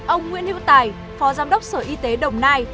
ông nguyễn hữu tài phó giám đốc sở y tế đồng nai